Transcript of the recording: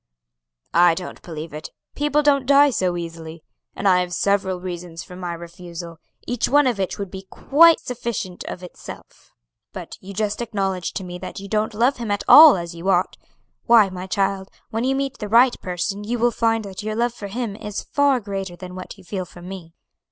"I don't believe it; people don't die so easily. And I have several reasons for my refusal, each one of which would be quite sufficient of itself. But you just acknowledged to me that you don't love him at all as you ought. Why, my child, when you meet the right person you will find that your love for him is far greater than what you feel for me."